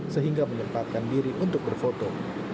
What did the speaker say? sehingga menyempatkan diri untuk berfoto